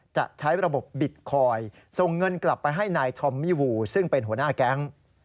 จะใช้ระบบบิตคอยน์ส่งเงินกลับไปให้นายทอมมี่วูซึ่งเป็นหัวหน้าแก๊ง